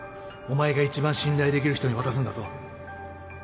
お前が一番信頼できる人に渡すんだぞ